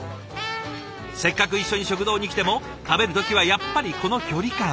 せっかく一緒に食堂に来ても食べる時はやっぱりこの距離感。